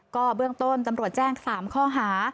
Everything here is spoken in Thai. ก็เบื้องต้นตำรวจแจ้ง๓ข้อหา